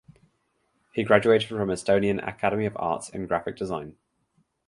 He graduated from Estonian Academy of Arts in graphic design.